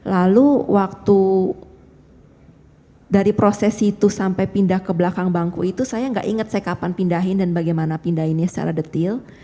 lalu waktu dari proses itu sampai pindah ke belakang bangku itu saya nggak ingat saya kapan pindahin dan bagaimana pindahinnya secara detail